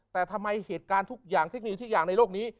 แต่ทำไมเหตุการณ์ทุกอย่างที่อย่างในโลกนี้